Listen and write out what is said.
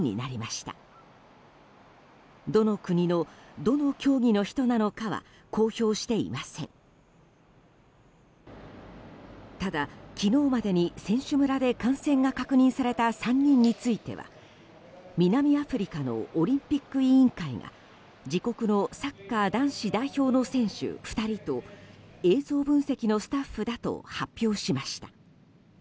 ただ、昨日までに選手村で感染が確認された３人については、南アフリカのオリンピック委員会が自国のサッカー男子代表の選手２人と映像分析のスタッフだと発表しました。